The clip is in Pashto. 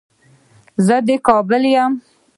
زه د کابل يم